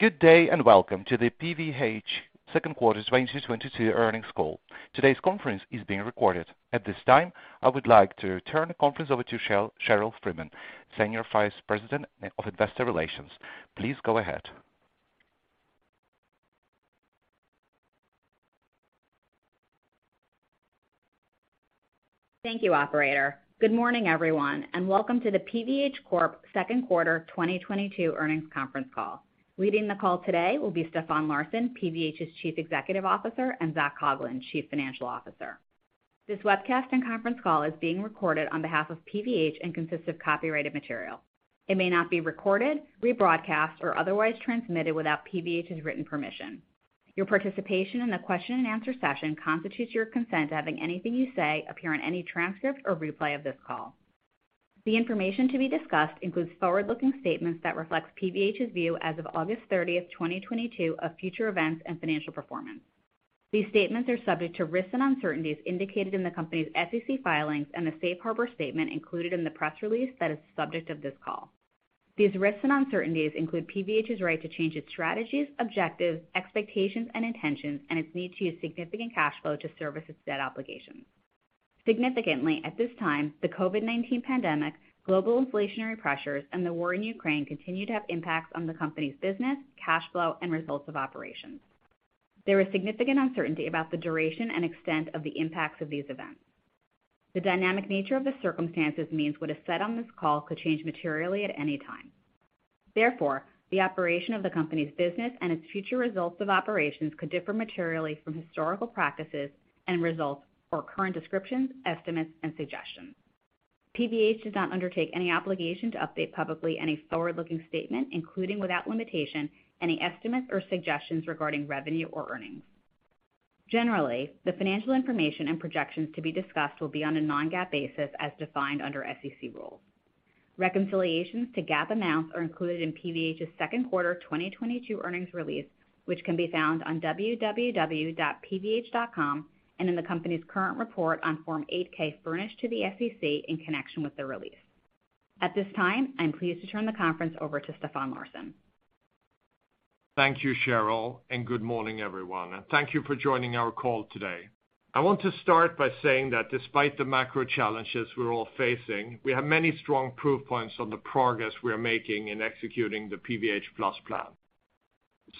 Good day, and Welcome to the PVH Second Quarter 2022 Earnings Call. Today's conference is being recorded. At this time, I would like to turn the conference over to Sheryl Freeman, Senior Vice President of Investor Relations. Please go ahead. Thank you, operator. Good morning, everyone, and welcome to the PVH Corp. 2nd quarter 2022 earnings conference call. Leading the call today will be Stefan Larsson, PVH's Chief Executive Officer, and Zac Coughlin, Chief Financial Officer. This webcast and conference call is being recorded on behalf of PVH and consists of copyrighted material. It may not be recorded, rebroadcast, or otherwise transmitted without PVH's written permission. Your participation in the question-and-answer session constitutes your consent to having anything you say appear in any transcript or replay of this call. The information to be discussed includes forward-looking statements that reflect PVH's view as of August 30th, 2022, of future events and financial performance. These statements are subject to risks and uncertainties indicated in the company's SEC filings and the safe harbor statement included in the press release that is the subject of this call. These risks and uncertainties include PVH's right to change its strategies, objectives, expectations, and intentions, and its need to use significant cash flow to service its debt obligations. Significantly, at this time, the COVID-19 pandemic, global inflationary pressures, and the war in Ukraine continue to have impacts on the company's business, cash flow, and results of operations. There is significant uncertainty about the duration and extent of the impacts of these events. The dynamic nature of the circumstances means what is said on this call could change materially at any time. Therefore, the operation of the company's business and its future results of operations could differ materially from historical practices and results or current descriptions, estimates, and suggestions. PVH does not undertake any obligation to update publicly any forward-looking statement, including without limitation, any estimates or suggestions regarding revenue or earnings. Generally, the financial information and projections to be discussed will be on a non-GAAP basis as defined under SEC rules. Reconciliations to GAAP amounts are included in PVH's 2nd quarter 2022 earnings release, which can be found on www.pvh.com and in the company's current report on Form 8-K furnished to the SEC in connection with the release. At this time, I am pleased to turn the conference over to Stefan Larsson. Thank you, Sheryl, and good morning, everyone. Thank you for joining our call today. I want to start by saying that despite the macro challenges we're all facing, we have many strong proof points on the progress we are making in executing the PVH+ Plan.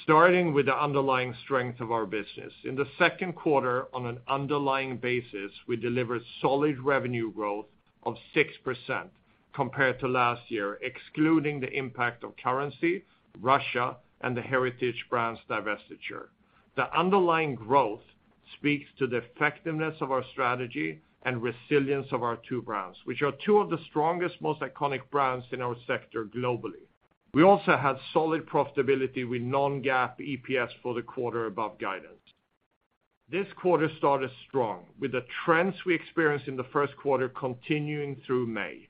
Starting with the underlying strength of our business, in the 2nd quarter, on an underlying basis, we delivered solid revenue growth of 6% compared to last year, excluding the impact of currency, Russia, and the Heritage Brands divestiture. The underlying growth speaks to the effectiveness of our strategy and resilience of our two brands, which are two of the strongest, most iconic brands in our sector globally. We also had solid profitability with non-GAAP EPS for the quarter above guidance. This quarter started strong, with the trends we experienced in the 1st quarter continuing through May.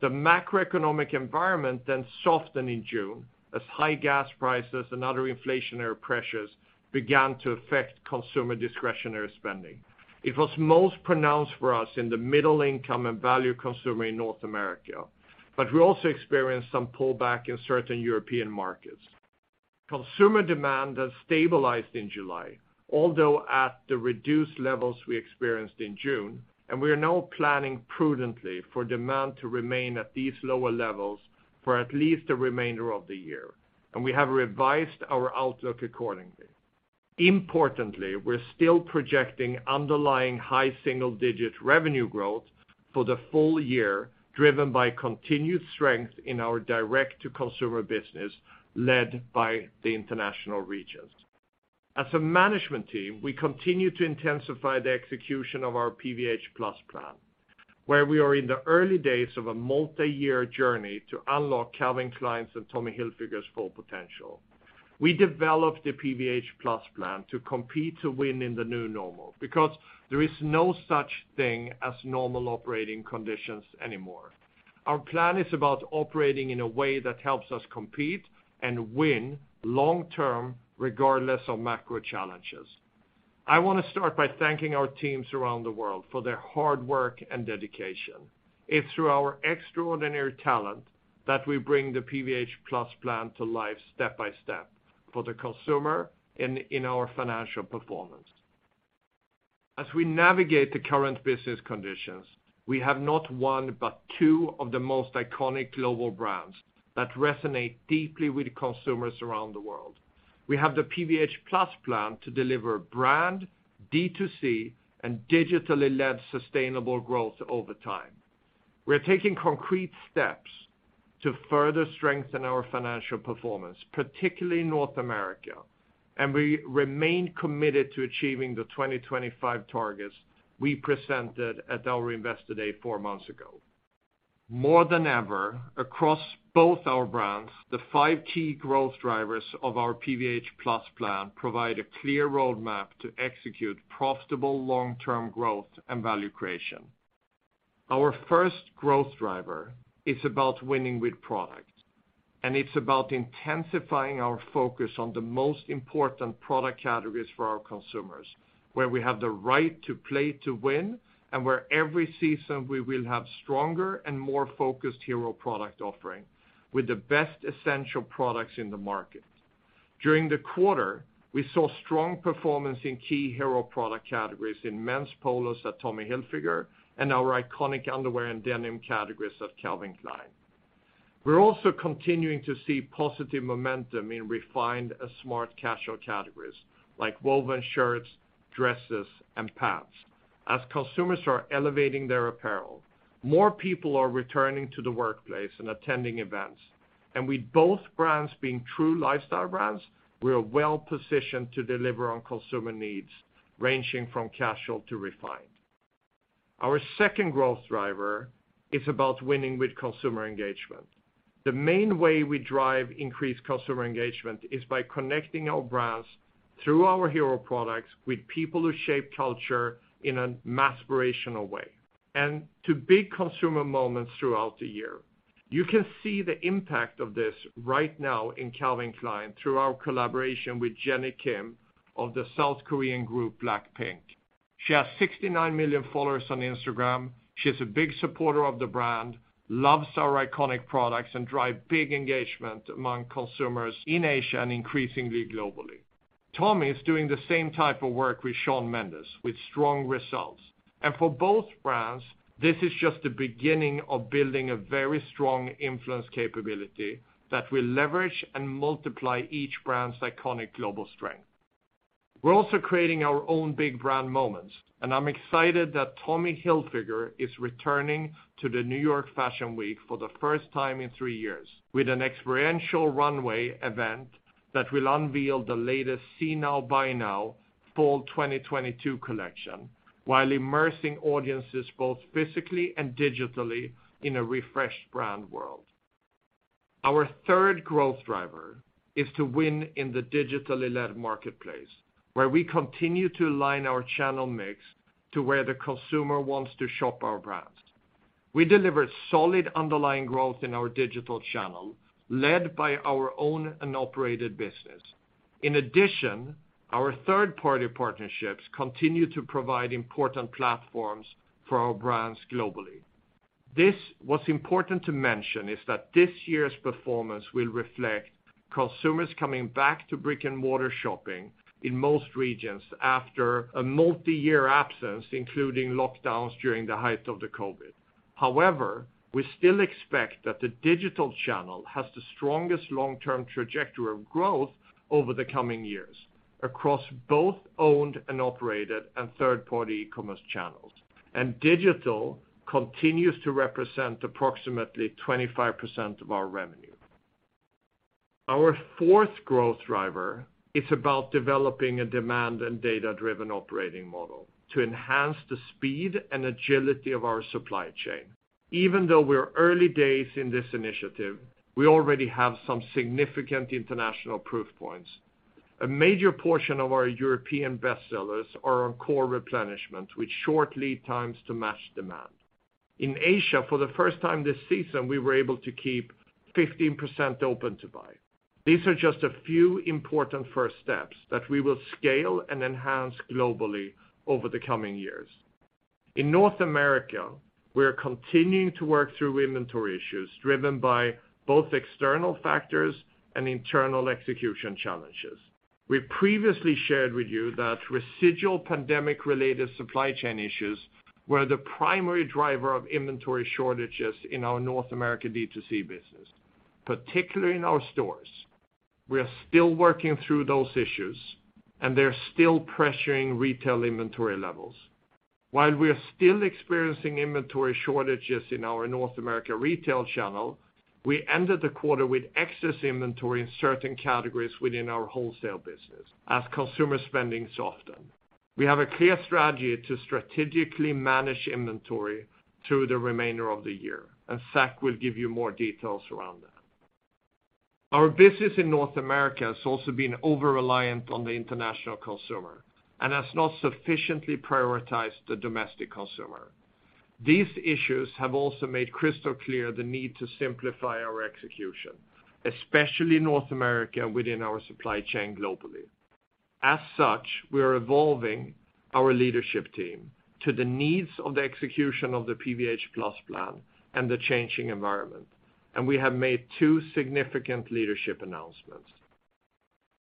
The macroeconomic environment then softened in June as high gas prices and other inflationary pressures began to affect consumer discretionary spending. It was most pronounced for us in the middle income and value consumer in North America, but we also experienced some pullback in certain European markets. Consumer demand has stabilized in July, although at the reduced levels we experienced in June, and we are now planning prudently for demand to remain at these lower levels for at least the remainder of the year, and we have revised our outlook accordingly. Importantly, we're still projecting underlying high single-digit revenue growth for the full year, driven by continued strength in our direct-to-consumer business, led by the international regions. As a management team, we continue to intensify the execution of our PVH+ Plan, where we are in the early days of a multi-year journey to unlock Calvin Klein's and Tommy Hilfiger's full potential. We developed the PVH+ Plan to compete to win in the new normal because there is no such thing as normal operating conditions anymore. Our plan is about operating in a way that helps us compete and win long term, regardless of macro challenges. I wanna start by thanking our teams around the world for their hard work and dedication. It's through our extraordinary talent that we bring the PVH+ Plan to life step by step for the consumer and in our financial performance. As we navigate the current business conditions, we have not one but two of the most iconic global brands that resonate deeply with consumers around the world. We have the PVH+ Plan to deliver brand, D2C, and digitally led sustainable growth over time. We are taking concrete steps to further strengthen our financial performance, particularly in North America, and we remain committed to achieving the 2025 targets we presented at our Investor Day four months ago. More than ever, across both our brands, the five key growth drivers of our PVH+ Plan provide a clear roadmap to execute profitable long-term growth and value creation. Our 1st growth driver is about winning with product, and it's about intensifying our focus on the most important product categories for our consumers, where we have the right to play to win and where every season we will have stronger and more focused hero product offering with the best essential products in the market. During the quarter, we saw strong performance in key hero product categories in men's polos at Tommy Hilfiger and our iconic underwear and denim categories at Calvin Klein. We're also continuing to see positive momentum in refined and smart casual categories, like woven shirts, dresses, and pants. As consumers are elevating their apparel, more people are returning to the workplace and attending events. With both brands being true lifestyle brands, we are well-positioned to deliver on consumer needs, ranging from casual to refined. Our 2nd growth driver is about winning with consumer engagement. The main way we drive increased customer engagement is by connecting our brands through our hero products with people who shape culture in a masspirational way, and to big consumer moments throughout the year. You can see the impact of this right now in Calvin Klein through our collaboration with Jennie Kim of the South Korean group Blackpink. She has 69 million followers on Instagram. She's a big supporter of the brand, loves our iconic products, and drive big engagement among consumers in Asia and increasingly globally. Tommy is doing the same type of work with Shawn Mendes with strong results. For both brands, this is just the beginning of building a very strong influence capability that will leverage and multiply each brand's iconic global strength. We're also creating our own big brand moments, and I'm excited that Tommy Hilfiger is returning to the New York Fashion Week for the 1st time in three years with an experiential runway event that will unveil the latest See Now, Buy Now Fall 2022 collection, while immersing audiences both physically and digitally in a refreshed brand world. Our 3rd growth driver is to win in the digitally led marketplace, where we continue to align our channel mix to where the consumer wants to shop our brands. We delivered solid underlying growth in our digital channel, led by our owned and operated business. In addition, our 3rd-party partnerships continue to provide important platforms for our brands globally. What's important to mention is that this year's performance will reflect consumers coming back to brick-and-mortar shopping in most regions after a multiyear absence, including lockdowns during the height of the COVID. However, we still expect that the digital channel has the strongest long-term trajectory of growth over the coming years across both owned and operated and 3rd-party commerce channels. Digital continues to represent approximately 25% of our revenue. Our 4th growth driver is about developing a demand and data-driven operating model to enhance the speed and agility of our supply chain. Even though we're early days in this initiative, we already have some significant international proof points. A major portion of our European bestsellers are on core replenishment, with short lead times to match demand. In Asia, for the 1st time this season, we were able to keep 15% open to buy. These are just a few important 1st steps that we will scale and enhance globally over the coming years. In North America, we are continuing to work through inventory issues driven by both external factors and internal execution challenges. We previously shared with you that residual pandemic-related supply chain issues were the primary driver of inventory shortages in our North America D2C business, particularly in our stores. We are still working through those issues, and they're still pressuring retail inventory levels. While we are still experiencing inventory shortages in our North America retail channel, we ended the quarter with excess inventory in certain categories within our wholesale business as consumer spending softened. We have a clear strategy to strategically manage inventory through the remainder of the year, and Zac will give you more details around that. Our business in North America has also been over-reliant on the international consumer and has not sufficiently prioritized the domestic consumer. These issues have also made crystal clear the need to simplify our execution, especially in North America within our supply chain globally. As such, we are evolving our leadership team to the needs of the execution of the PVH+ Plan and the changing environment, and we have made two significant leadership announcements.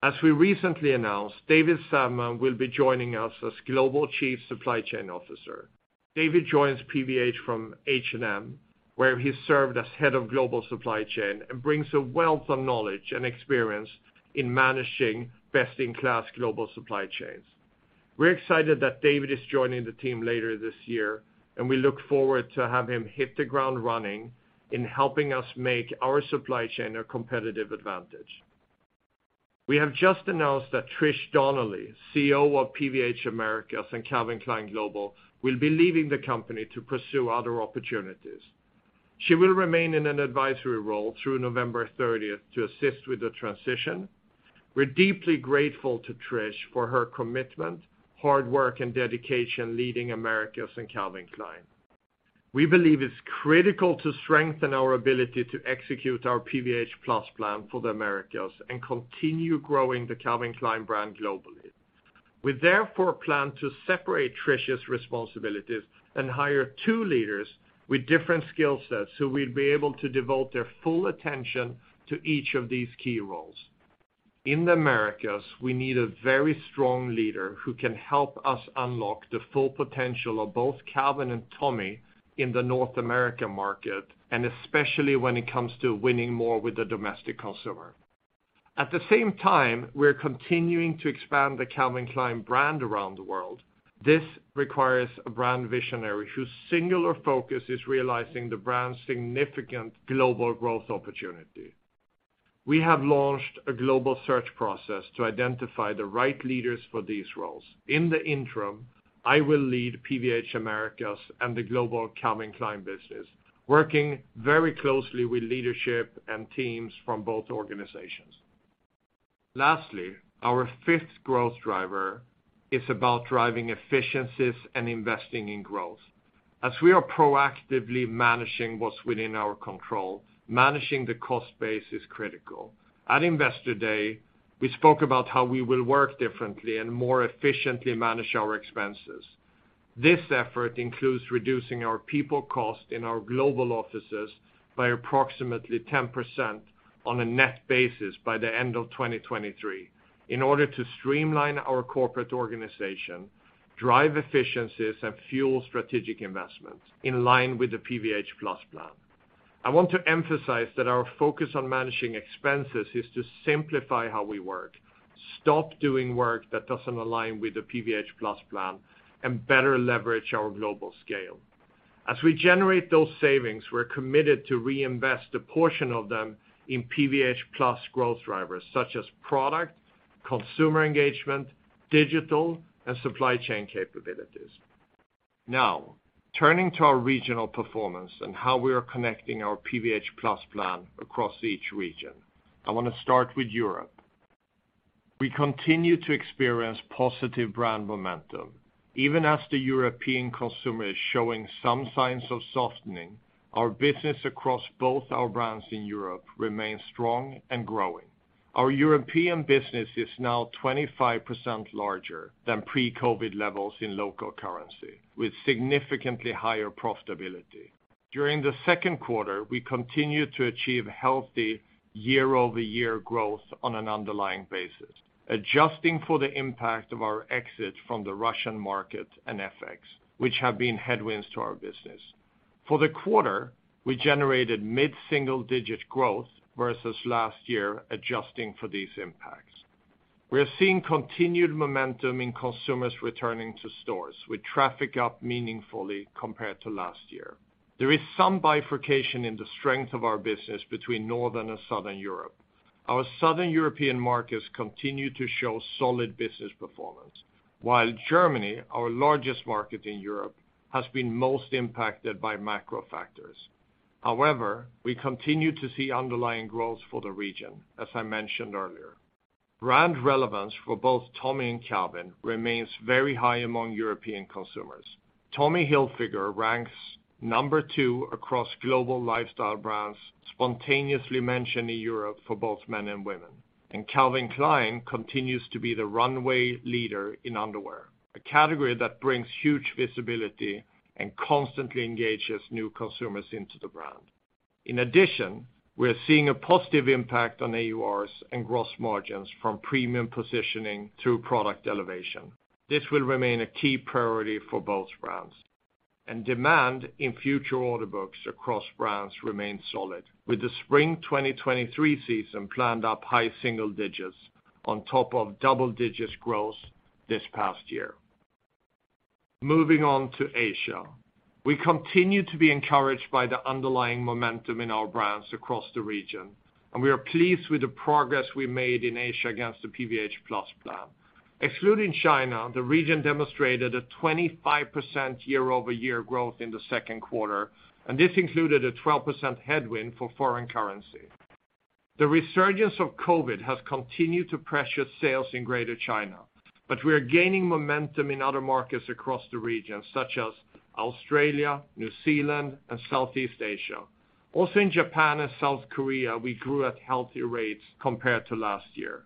As we recently announced, David Savman will be joining us as Global Chief Supply Chain Officer. David Savman joins PVH from H&M, where he served as head of global supply chain and brings a wealth of knowledge and experience in managing best-in-class global supply chains. We're excited that David is joining the team later this year, and we look forward to have him hit the ground running in helping us make our supply chain a competitive advantage. We have just announced that Trish Donnelly, CEO of PVH Americas and Calvin Klein Global, will be leaving the company to pursue other opportunities. She will remain in an advisory role through November thirtieth to assist with the transition. We're deeply grateful to Trish for her commitment, hard work, and dedication leading Americas and Calvin Klein. We believe it's critical to strengthen our ability to execute our PVH+ Plan for the Americas and continue growing the Calvin Klein brand globally. We therefore plan to separate Trish's responsibilities and hire two leaders with different skill sets, who will be able to devote their full attention to each of these key roles. In the Americas, we need a very strong leader who can help us unlock the full potential of both Calvin and Tommy in the North America market, and especially when it comes to winning more with the domestic consumer. At the same time, we're continuing to expand the Calvin Klein brand around the world. This requires a brand visionary whose singular focus is realizing the brand's significant global growth opportunity. We have launched a global search process to identify the right leaders for these roles. In the interim, I will lead PVH Americas and the global Calvin Klein business, working very closely with leadership and teams from both organizations. Lastly, our fifth growth driver is about driving efficiencies and investing in growth. As we are proactively managing what's within our control, managing the cost base is critical. At Investor Day, we spoke about how we will work differently and more efficiently manage our expenses. This effort includes reducing our people cost in our global offices by approximately 10% on a net basis by the end of 2023 in order to streamline our corporate organization, drive efficiencies, and fuel strategic investments in line with the PVH+ Plan. I want to emphasize that our focus on managing expenses is to simplify how we work, stop doing work that doesn't align with the PVH+ Plan, and better leverage our global scale. As we generate those savings, we're committed to reinvest a portion of them in PVH+ growth drivers such as product, consumer engagement, digital, and supply chain capabilities. Now, turning to our regional performance and how we are connecting our PVH+ Plan across each region. I wanna start with Europe. We continue to experience positive brand momentum. Even as the European consumer is showing some signs of softening, our business across both our brands in Europe remains strong and growing. Our European business is now 25% larger than pre-COVID levels in local currency, with significantly higher profitability. During the 2nd quarter, we continued to achieve healthy year-over-year growth on an underlying basis, adjusting for the impact of our exit from the Russian market and FXs, which have been headwinds to our business. For the quarter, we generated mid-single-digit growth versus last year, adjusting for these impacts. We are seeing continued momentum in consumers returning to stores with traffic up meaningfully compared to last year. There is some bifurcation in the strength of our business between Northern and Southern Europe. Our Southern European markets continue to show solid business performance, while Germany, our largest market in Europe, has been most impacted by macro factors. However, we continue to see underlying growth for the region, as I mentioned earlier. Brand relevance for both Tommy and Calvin remains very high among European consumers. Tommy Hilfiger ranks number two across global lifestyle brands, spontaneously mentioned in Europe for both men and women. Calvin Klein continues to be the runway leader in underwear, a category that brings huge visibility and constantly engages new consumers into the brand. In addition, we are seeing a positive impact on AURs and gross margins from premium positioning through product elevation. This will remain a key priority for both brands. Demand in future order books across brands remains solid, with the spring 2023 season planned up high single digits on top of double digits growth this past year. Moving on to Asia. We continue to be encouraged by the underlying momentum in our brands across the region, and we are pleased with the progress we made in Asia against the PVH+ Plan. Excluding China, the region demonstrated a 25% year-over-year growth in the 2nd quarter, and this included a 12% headwind for foreign currency. The resurgence of COVID has continued to pressure sales in Greater China, but we are gaining momentum in other markets across the region, such as Australia, New Zealand, and Southeast Asia. Also in Japan and South Korea, we grew at healthy rates compared to last year.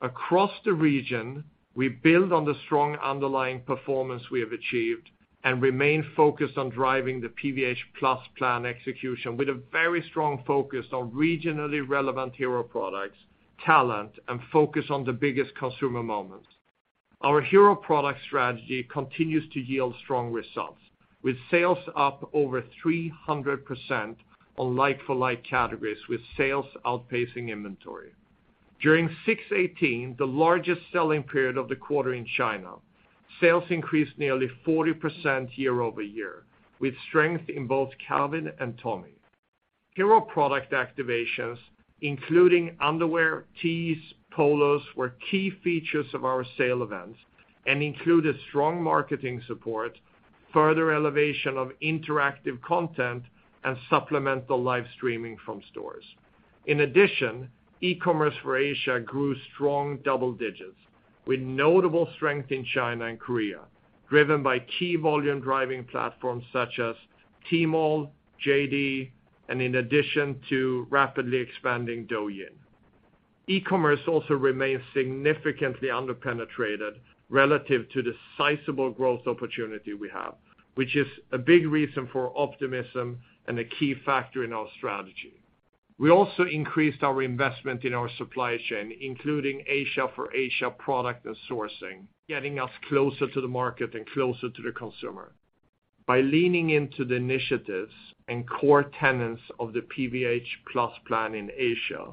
Across the region, we build on the strong underlying performance we have achieved and remain focused on driving the PVH+ Plan execution with a very strong focus on regionally relevant hero products, talent, and focus on the biggest consumer moments. Our hero product strategy continues to yield strong results, with sales up over 300% on like-for-like categories with sales outpacing inventory. During 618, the largest selling period of the quarter in China, sales increased nearly 40% year-over-year, with strength in both Calvin and Tommy. Hero product activations, including underwear, tees, polos, were key features of our sale events and included strong marketing support, further elevation of interactive content, and supplemental live streaming from stores. In addition, e-commerce for Asia grew strong double digits, with notable strength in China and Korea, driven by key volume-driving platforms such as Tmall, JD, and in addition to rapidly expanding Douyin. E-commerce also remains significantly under-penetrated relative to the sizable growth opportunity we have, which is a big reason for optimism and a key factor in our strategy. We also increased our investment in our supply chain, including Asia for Asia product and sourcing, getting us closer to the market and closer to the consumer. By leaning into the initiatives and core tenets of the PVH+ Plan in Asia,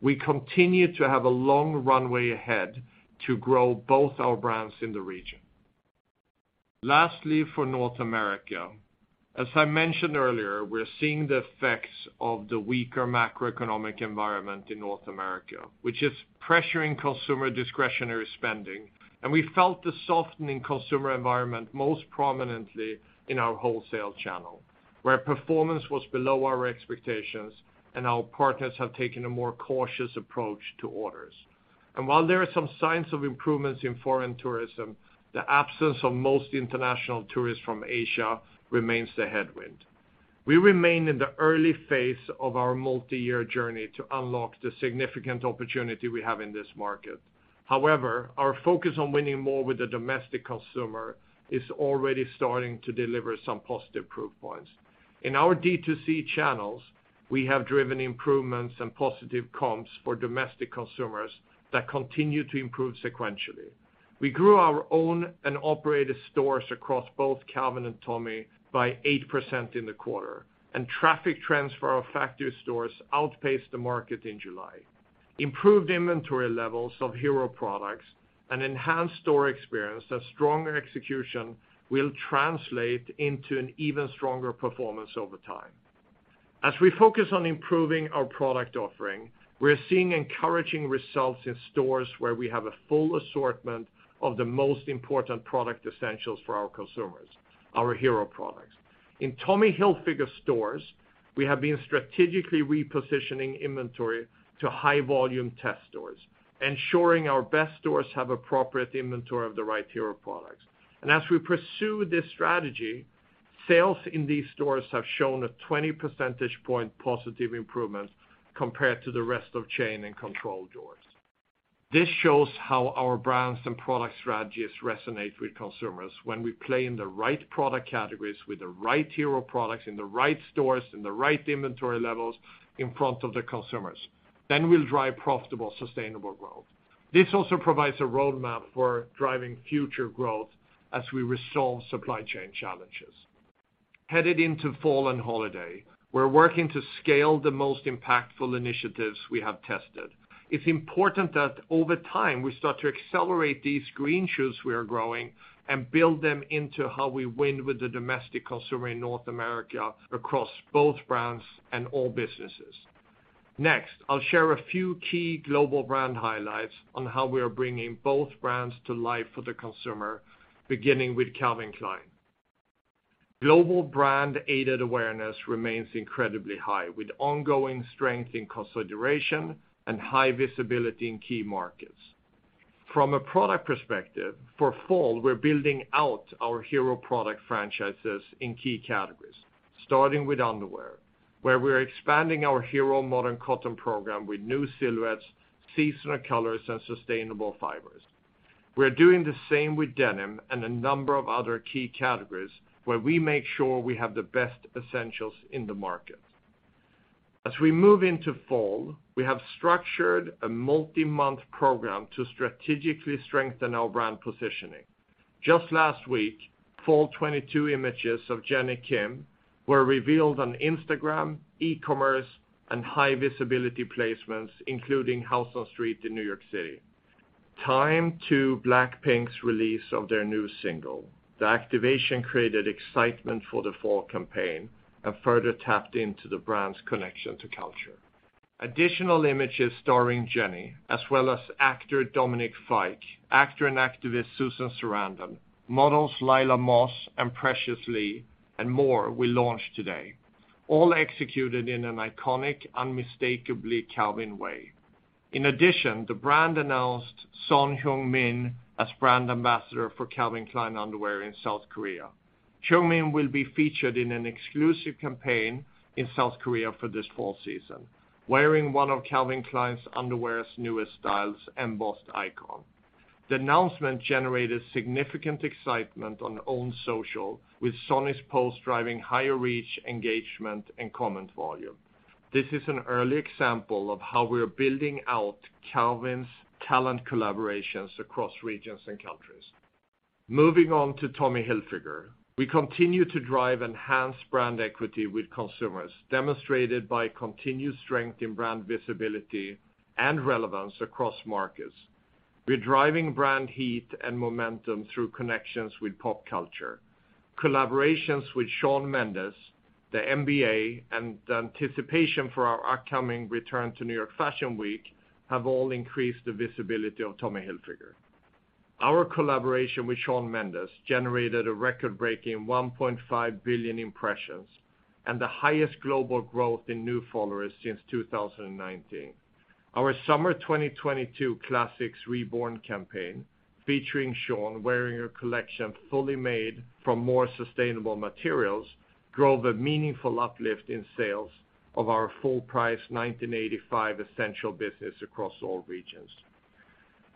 we continue to have a long runway ahead to grow both our brands in the region. Lastly, for North America, as I mentioned earlier, we're seeing the effects of the weaker macroeconomic environment in North America, which is pressuring consumer discretionary spending, and we felt the softening consumer environment most prominently in our wholesale channel, where performance was below our expectations and our partners have taken a more cautious approach to orders. While there are some signs of improvements in foreign tourism, the absence of most international tourists from Asia remains the headwind. We remain in the early phase of our multi-year journey to unlock the significant opportunity we have in this market. However, our focus on winning more with the domestic consumer is already starting to deliver some positive proof points. In our D2C channels, we have driven improvements and positive comps for domestic consumers that continue to improve sequentially. We grew our owned and operated stores across both Calvin and Tommy by 8% in the quarter, and traffic trends for our factory stores outpaced the market in July. Improved inventory levels of hero products and enhanced store experience and stronger execution will translate into an even stronger performance over time. As we focus on improving our product offering, we're seeing encouraging results in stores where we have a full assortment of the most important product essentials for our consumers, our hero products. In Tommy Hilfiger stores, we have been strategically repositioning inventory to high-volume test stores, ensuring our best stores have appropriate inventory of the right hero products. As we pursue this strategy, sales in these stores have shown a 20 percentage point positive improvement compared to the rest of chain and control stores. This shows how our brands and product strategies resonate with consumers when we play in the right product categories with the right hero products in the right stores and the right inventory levels in front of the consumers. We'll drive profitable, sustainable growth. This also provides a roadmap for driving future growth as we resolve supply chain challenges. Headed into fall and holiday, we're working to scale the most impactful initiatives we have tested. It's important that over time, we start to accelerate these green shoots we are growing and build them into how we win with the domestic consumer in North America across both brands and all businesses. Next, I'll share a few key global brand highlights on how we are bringing both brands to life for the consumer, beginning with Calvin Klein. Global brand aided awareness remains incredibly high, with ongoing strength in consideration and high visibility in key markets. From a product perspective, for fall, we're building out our hero product franchises in key categories, starting with underwear, where we're expanding our hero Modern Cotton program with new silhouettes, seasonal colors, and sustainable fibers. We're doing the same with denim and a number of other key categories where we make sure we have the best essentials in the market. As we move into fall, we have structured a multi-month program to strategically strengthen our brand positioning. Just last week, fall 2022 images of Jennie Kim were revealed on Instagram, e-commerce, and high visibility placements, including Houston Street in New York City. Timed to Blackpink's release of their new single, the activation created excitement for the fall campaign and further tapped into the brand's connection to culture. Additional images starring Jennie, as well as actor Dominic Fike, actor and activist Susan Sarandon, models Lila Moss and Precious Lee, and more we launched today, all executed in an iconic, unmistakably Calvin way. In addition, the brand announced Son Heung-min as brand ambassador for Calvin Klein underwear in South Korea. Heung-min will be featured in an exclusive campaign in South Korea for this fall season, wearing one of Calvin Klein's underwear's newest styles, Embossed Icon. The announcement generated significant excitement on owned social, with Son Heung-min's post driving higher reach, engagement, and comment volume. This is an early example of how we're building out Calvin's talent collaborations across regions and countries. Moving on to Tommy Hilfiger. We continue to drive enhanced brand equity with consumers, demonstrated by continued strength in brand visibility and relevance across markets. We're driving brand heat and momentum through connections with pop culture. Collaborations with Shawn Mendes, the NBA, and the anticipation for our upcoming return to New York Fashion Week have all increased the visibility of Tommy Hilfiger. Our collaboration with Shawn Mendes generated a record-breaking 1.5 billion impressions and the highest global growth in new followers since 2019. Our summer 2022 classics reborn campaign, featuring Shawn wearing a collection fully made from more sustainable materials, drove a meaningful uplift in sales of our full price 1985 essential business across all regions.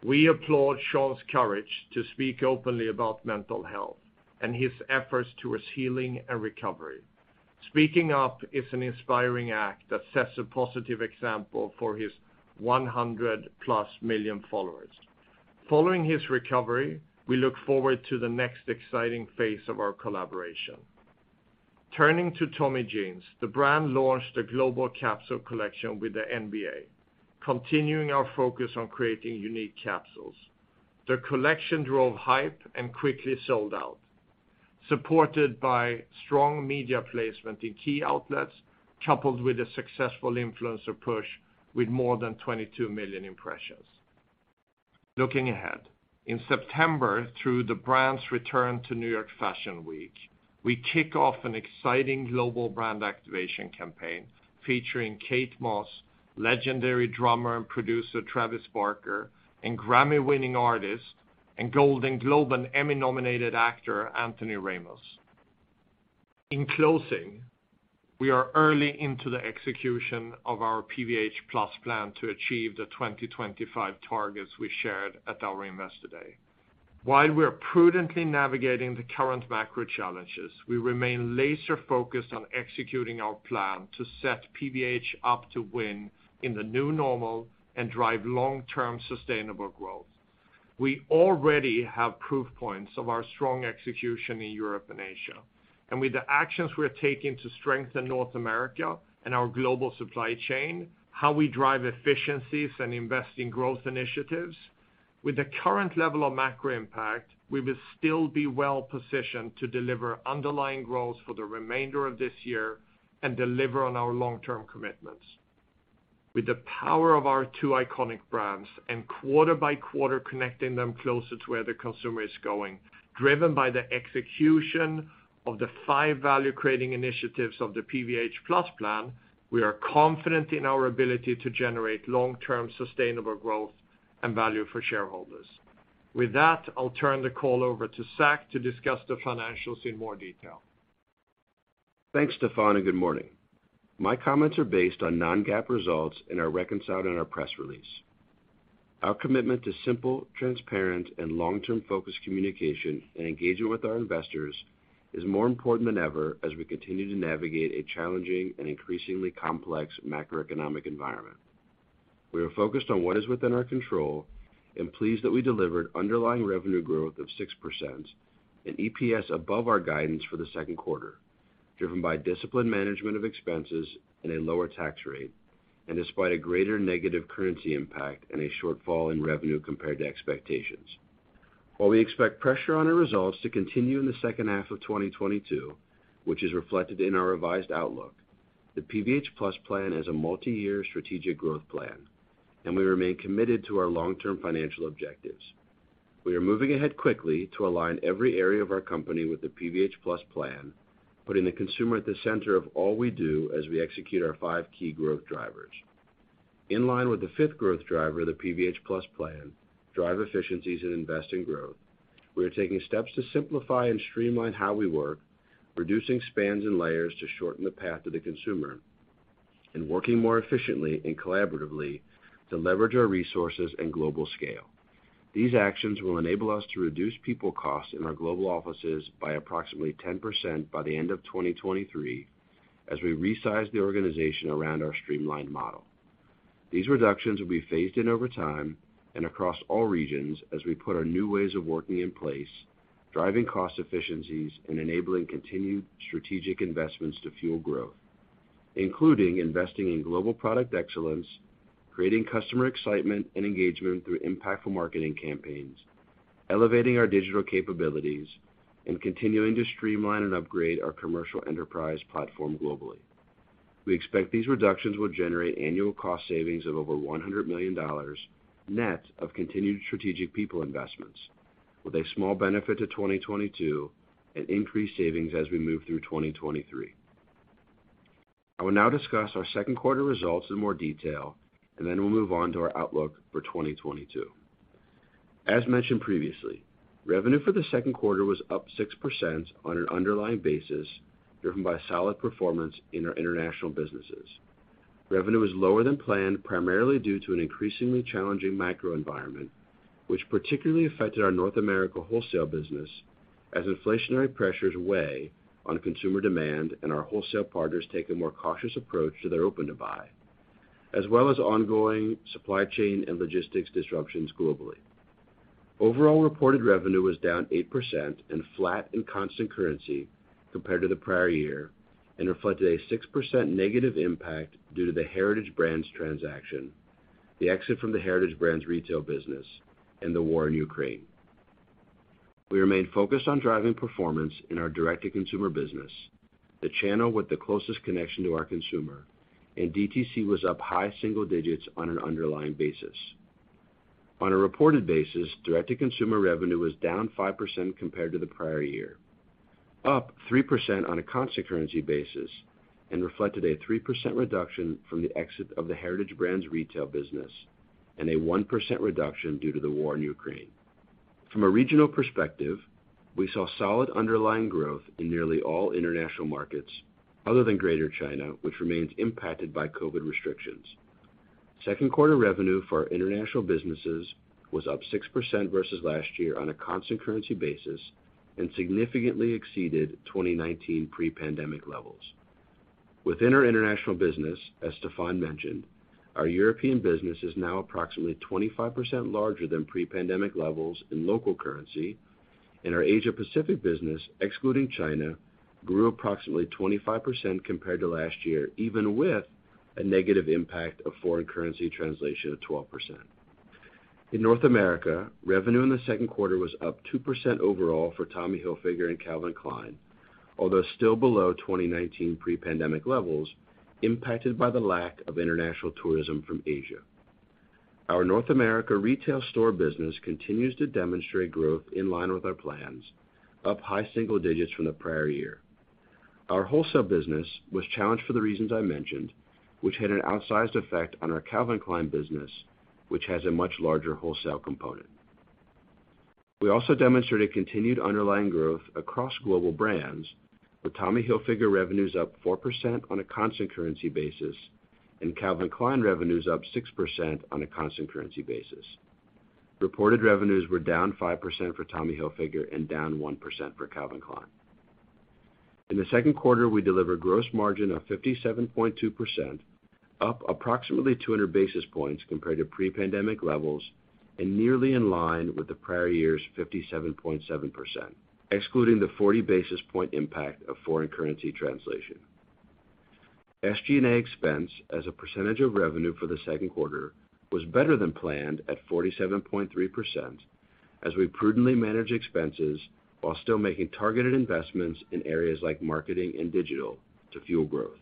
We applaud Shawn's courage to speak openly about mental health and his efforts towards healing and recovery. Speaking up is an inspiring act that sets a positive example for his 100+ million followers. Following his recovery, we look forward to the next exciting phase of our collaboration. Turning to Tommy Jeans. The brand launched a global capsule collection with the NBA, continuing our focus on creating unique capsules. The collection drove hype and quickly sold out, supported by strong media placement in key outlets, coupled with a successful influencer push with more than 22 million impressions. Looking ahead, in September, through the brand's return to New York Fashion Week, we kick off an exciting global brand activation campaign featuring Kate Moss, legendary drummer and producer, Travis Barker, and Grammy-winning artist and Golden Globe and Emmy-nominated actor, Anthony Ramos. In closing, we are early into the execution of our PVH+ Plan to achieve the 2025 targets we shared at our Investor Day. While we are prudently navigating the current macro challenges, we remain laser-focused on executing our plan to set PVH up to win in the new normal and drive long-term sustainable growth. We already have proof points of our strong execution in Europe and Asia, and with the actions we are taking to strengthen North America and our global supply chain, how we drive efficiencies and invest in growth initiatives. With the current level of macro impact, we will still be well-positioned to deliver underlying growth for the remainder of this year and deliver on our long-term commitments. With the power of our two iconic brands, and quarter by quarter connecting them closer to where the consumer is going, driven by the execution of the five value-creating initiatives of the PVH+ Plan, we are confident in our ability to generate long-term sustainable growth and value for shareholders. With that, I'll turn the call over to Zac to discuss the financials in more detail. Thanks, Stefan, and good morning. My comments are based on non-GAAP results and are reconciled in our press release. Our commitment to simple, transparent, and long-term focused communication and engagement with our investors is more important than ever as we continue to navigate a challenging and increasingly complex macroeconomic environment. We are focused on what is within our control and pleased that we delivered underlying revenue growth of 6% and EPS above our guidance for the 2nd quarter, driven by disciplined management of expenses and a lower tax rate, and despite a greater negative currency impact and a shortfall in revenue compared to expectations. While we expect pressure on our results to continue in the 2nd half of 2022, which is reflected in our revised outlook, the PVH+ Plan is a multi-year strategic growth plan, and we remain committed to our long-term financial objectives. We are moving ahead quickly to align every area of our company with the PVH+ Plan, putting the consumer at the center of all we do as we execute our five key growth drivers. In line with the 5th growth driver of the PVH+ Plan, drive efficiencies and invest in growth, we are taking steps to simplify and streamline how we work, reducing spans and layers to shorten the path to the consumer, and working more efficiently and collaboratively to leverage our resources and global scale. These actions will enable us to reduce people costs in our global offices by approximately 10% by the end of 2023, as we resize the organization around our streamlined model. These reductions will be phased in over time and across all regions as we put our new ways of working in place, driving cost efficiencies and enabling continued strategic investments to fuel growth, including investing in global product excellence, creating customer excitement and engagement through impactful marketing campaigns, elevating our digital capabilities, and continuing to streamline and upgrade our commercial enterprise platform globally. We expect these reductions will generate annual cost savings of over $100 million net of continued strategic people investments, with a small benefit to 2022 and increased savings as we move through 2023. I will now discuss our 2nd quarter results in more detail, and then we'll move on to our outlook for 2022. As mentioned previously, revenue for the 2nd quarter was up 6% on an underlying basis, driven by solid performance in our international businesses. Revenue is lower than planned, primarily due to an increasingly challenging macro environment, which particularly affected our North America wholesale business as inflationary pressures weigh on consumer demand and our wholesale partners take a more cautious approach to their open to buy, as well as ongoing supply chain and logistics disruptions globally. Overall reported revenue was down 8% and flat in constant currency compared to the prior year, and reflected a 6%- impact due to the Heritage Brands transaction, the exit from the Heritage Brands retail business, and the war in Ukraine. We remain focused on driving performance in our direct-to-consumer business, the channel with the closest connection to our consumer, and DTC was up high single digits on an underlying basis. On a reported basis, direct-to-consumer revenue was down 5% compared to the prior year, up 3% on a constant currency basis, and reflected a 3% reduction from the exit of the Heritage Brands retail business and a 1% reduction due to the war in Ukraine. From a regional perspective, we saw solid underlying growth in nearly all international markets other than Greater China, which remains impacted by COVID restrictions. Second quarter revenue for our international businesses was up 6% versus last year on a constant currency basis and significantly exceeded 2019 pre-pandemic levels. Within our international business, as Stefan mentioned, our European business is now approximately 25% larger than pre-pandemic levels in local currency, and our Asia-Pacific business, excluding China, grew approximately 25% compared to last year, even with a negative impact of foreign currency translation of 12%. In North America, revenue in the 2nd quarter was up 2% overall for Tommy Hilfiger and Calvin Klein, although still below 2019 pre-pandemic levels, impacted by the lack of international tourism from Asia. Our North America retail store business continues to demonstrate growth in line with our plans, up high single digits from the prior year. Our wholesale business was challenged for the reasons I mentioned, which had an outsized effect on our Calvin Klein business, which has a much larger wholesale component. We also demonstrated continued underlying growth across global brands, with Tommy Hilfiger revenues up 4% on a constant currency basis and Calvin Klein revenues up 6% on a constant currency basis. Reported revenues were down 5% for Tommy Hilfiger and down 1% for Calvin Klein. In the 2nd quarter, we delivered gross margin of 57.2%, up approximately 200 basis points compared to pre-pandemic levels and nearly in line with the prior year's 57.7%, excluding the 40 basis points impact of foreign currency translation. SG&A expense as a percentage of revenue for the 2nd quarter was better than planned at 47.3% as we prudently manage expenses while still making targeted investments in areas like marketing and digital to fuel growth.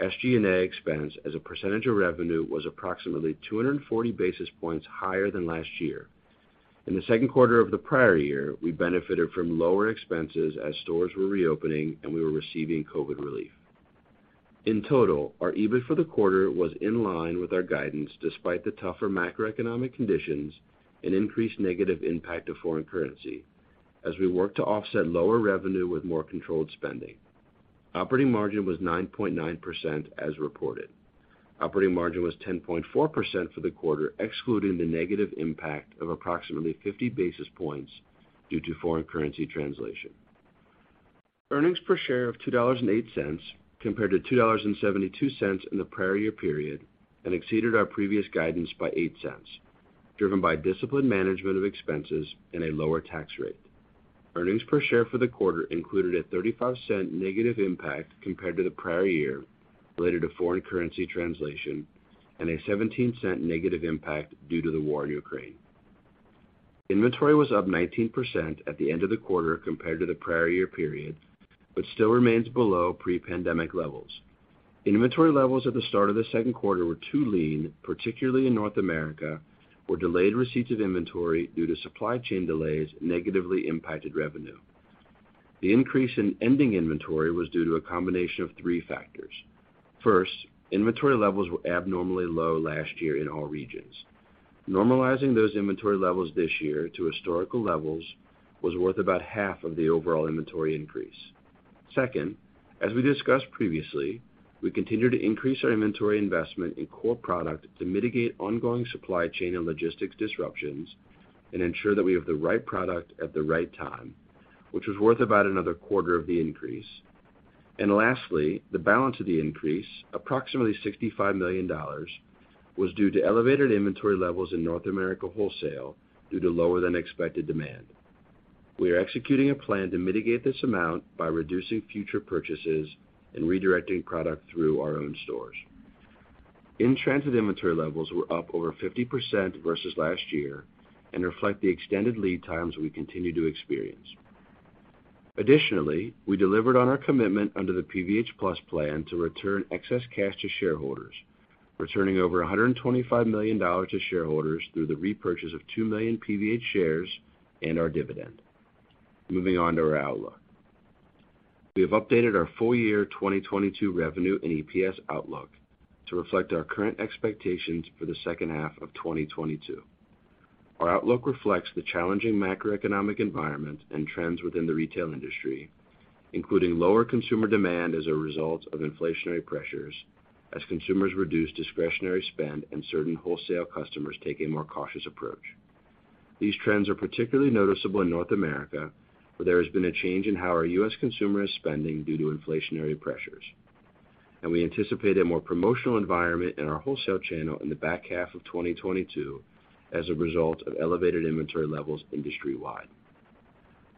SG&A expense as a percentage of revenue was approximately 240 basis points higher than last year. In the 2nd quarter of the prior year, we benefited from lower expenses as stores were reopening and we were receiving COVID relief. In total, our EBIT for the quarter was in line with our guidance despite the tougher macroeconomic conditions and increased negative impact of foreign currency as we worked to offset lower revenue with more controlled spending. Operating margin was 9.9% as reported. Operating margin was 10.4% for the quarter, excluding the negative impact of approximately 50 basis points due to foreign currency translation. Earnings per share of $2.08 compared to $2.72 in the prior year period and exceeded our previous guidance by $0.08, driven by disciplined management of expenses and a lower tax rate. Earnings per share for the quarter included a $0.35 negative impact compared to the prior year related to foreign currency translation and a $0.17 negative impact due to the war in Ukraine. Inventory was up 19% at the end of the quarter compared to the prior year period, but still remains below pre-pandemic levels. Inventory levels at the start of the 2nd quarter were too lean, particularly in North America, where delayed receipts of inventory due to supply chain delays negatively impacted revenue. The increase in ending inventory was due to a combination of three factors. First, inventory levels were abnormally low last year in all regions. Normalizing those inventory levels this year to historical levels was worth about half of the overall inventory increase. Second, as we discussed previously, we continue to increase our inventory investment in core product to mitigate ongoing supply chain and logistics disruptions and ensure that we have the right product at the right time, which was worth about another quarter of the increase. Lastly, the balance of the increase, approximately $65 million was due to elevated inventory levels in North America wholesale due to lower than expected demand. We are executing a plan to mitigate this amount by reducing future purchases and redirecting product through our own stores. In-transit inventory levels were up over 50% versus last year and reflect the extended lead times we continue to experience. Additionally, we delivered on our commitment under the PVH+ Plan to return excess cash to shareholders, returning over $125 million to shareholders through the repurchase of 2 million PVH shares and our dividend. Moving on to our outlook. We have updated our full year 2022 revenue and EPS outlook to reflect our current expectations for the 2nd half of 2022. Our outlook reflects the challenging macroeconomic environment and trends within the retail industry, including lower consumer demand as a result of inflationary pressures as consumers reduce discretionary spend and certain wholesale customers take a more cautious approach. These trends are particularly noticeable in North America, where there has been a change in how our U.S. consumer is spending due to inflationary pressures. We anticipate a more promotional environment in our wholesale channel in the back half of 2022 as a result of elevated inventory levels industry-wide.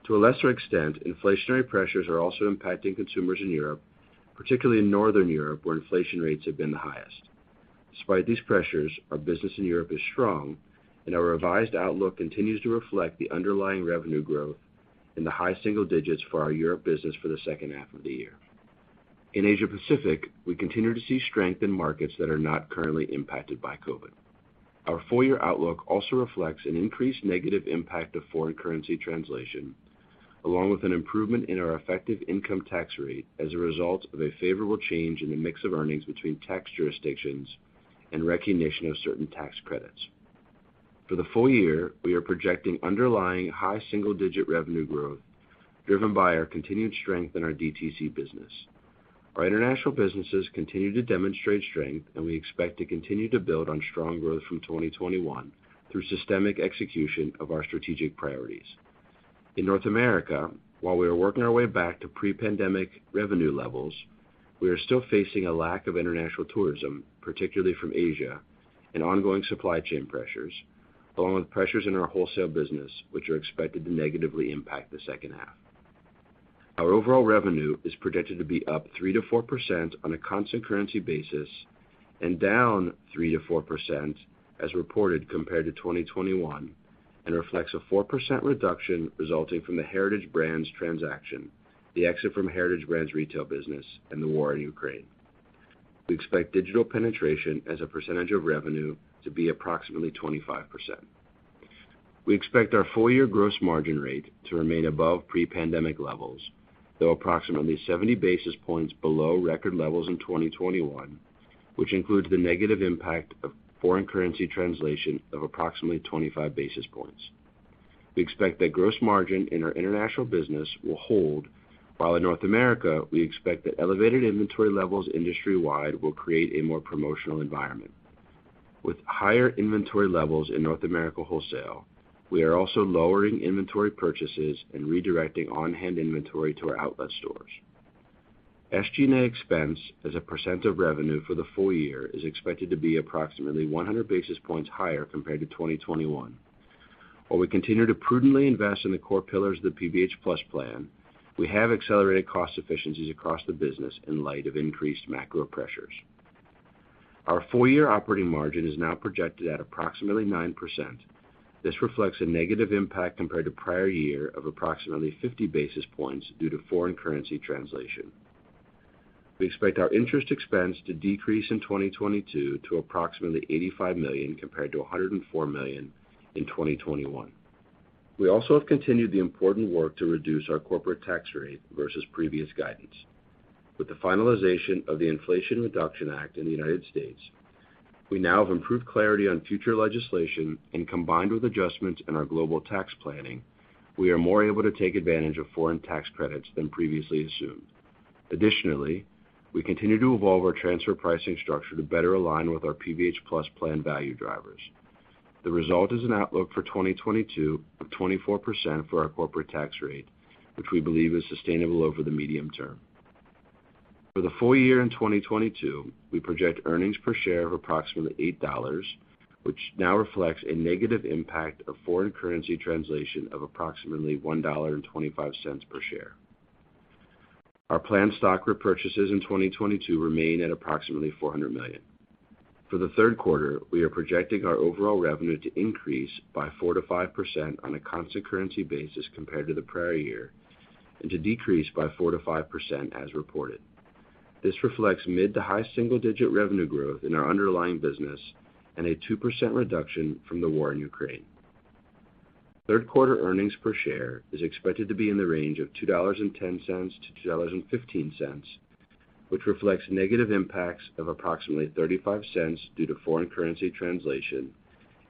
To a lesser extent, inflationary pressures are also impacting consumers in Europe, particularly in Northern Europe, where inflation rates have been the highest. Despite these pressures, our business in Europe is strong, and our revised outlook continues to reflect the underlying revenue growth in the high single digits for our Europe business for the 2nd half of the year. In Asia Pacific, we continue to see strength in markets that are not currently impacted by COVID. Our full-year outlook also reflects an increased negative impact of foreign currency translation, along with an improvement in our effective income tax rate as a result of a favorable change in the mix of earnings between tax jurisdictions and recognition of certain tax credits. For the full year, we are projecting underlying high single-digit revenue growth, driven by our continued strength in our DTC business. Our international businesses continue to demonstrate strength, and we expect to continue to build on strong growth from 2021 through systemic execution of our strategic priorities. In North America, while we are working our way back to pre-pandemic revenue levels, we are still facing a lack of international tourism, particularly from Asia and ongoing supply chain pressures, along with pressures in our wholesale business, which are expected to negatively impact the 2nd half. Our overall revenue is projected to be up 3%-4% on a constant currency basis and down 3%-4% as reported compared to 2021, and reflects a 4% reduction resulting from the Heritage Brands transaction, the exit from Heritage Brands retail business, and the war in Ukraine. We expect digital penetration as a percentage of revenue to be approximately 25%. We expect our full-year gross margin rate to remain above pre-pandemic levels, though approximately 70 basis points below record levels in 2021, which includes the negative impact of foreign currency translation of approximately 25 basis points. We expect that gross margin in our international business will hold, while in North America, we expect that elevated inventory levels industry-wide will create a more promotional environment. With higher inventory levels in North America wholesale, we are also lowering inventory purchases and redirecting on-hand inventory to our outlet stores. SG&A expense as a percent of revenue for the full year is expected to be approximately 100 basis points higher compared to 2021. While we continue to prudently invest in the core pillars of the PVH+ Plan, we have accelerated cost efficiencies across the business in light of increased macro pressures. Our full-year operating margin is now projected at approximately 9%. This reflects a negative impact compared to prior year of approximately 50 basis points due to foreign currency translation. We expect our interest expense to decrease in 2022 to approximately $85 million compared to $104 million in 2021. We also have continued the important work to reduce our corporate tax rate versus previous guidance. With the finalization of the Inflation Reduction Act in the United States, we now have improved clarity on future legislation, and combined with adjustments in our global tax planning, we are more able to take advantage of foreign tax credits than previously assumed. Additionally, we continue to evolve our transfer pricing structure to better align with our PVH+ Plan value drivers. The result is an outlook for 2022 of 24% for our corporate tax rate, which we believe is sustainable over the medium term. For the full year in 2022, we project earnings per share of approximately $8, which now reflects a negative impact of foreign currency translation of approximately $1.25 per share. Our planned stock repurchases in 2022 remain at approximately $400 million. For the 3rd quarter, we are projecting our overall revenue to increase by 4%-5% on a constant currency basis compared to the prior year, and to decrease by 4%-5% as reported. This reflects mid- to high single-digit revenue growth in our underlying business and a 2% reduction from the war in Ukraine. Third quarter earnings per share is expected to be in the range of $2.10-$2.15, which reflects negative impacts of approximately $0.35 due to foreign currency translation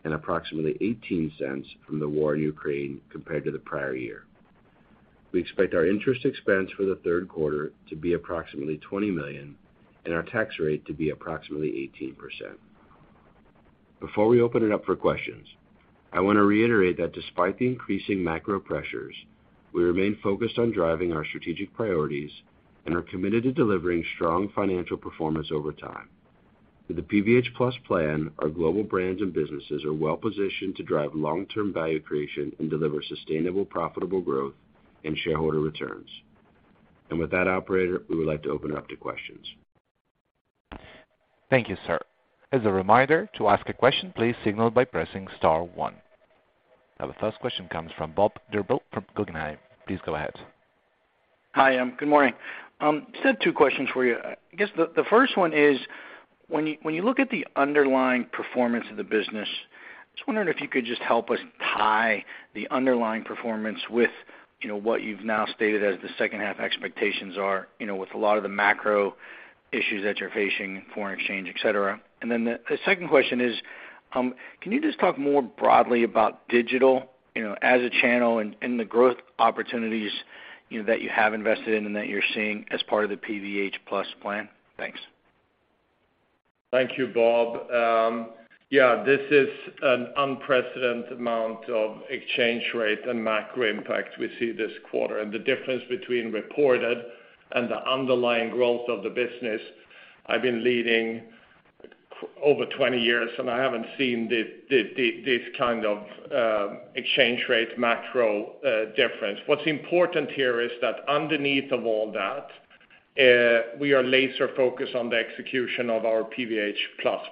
and approximately $0.18 from the war in Ukraine compared to the prior year. We expect our interest expense for the 3rd quarter to be approximately $20 million and our tax rate to be approximately 18%. Before we open it up for questions, I want to reiterate that despite the increasing macro pressures, we remain focused on driving our strategic priorities and are committed to delivering strong financial performance over time. With the PVH+ Plan, our global brands and businesses are well positioned to drive long-term value creation and deliver sustainable, profitable growth and shareholder returns. With that operator, we would like to open it up to questions. Thank you, sir. As a reminder to ask a question, please signal by pressing star one. Now, the 1st question comes from Bob Drbul from Guggenheim. Please go ahead. Hi, good morning. Just have two questions for you. I guess the 1st one is, when you look at the underlying performance of the business, I was wondering if you could just help us tie the underlying performance with, you know, what you've now stated as the 2nd half expectations are, you know, with a lot of the macro issues that you're facing, foreign exchange, et cetera. The 2nd question is, can you just talk more broadly about digital, you know, as a channel and the growth opportunities, you know, that you have invested in and that you're seeing as part of the PVH+ Plan? Thanks. Thank you, Bob. Yeah, this is an unprecedented amount of exchange rate and macro impact we see this quarter. The difference between reported and the underlying growth of the business I've been leading over 20 years, and I haven't seen this kind of exchange rate macro difference. What's important here is that underneath of all that, we are laser focused on the execution of our PVH+